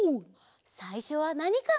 さいしょはなにかな？